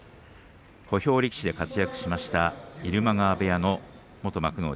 小兵力士で活躍しました入間川部屋の元幕内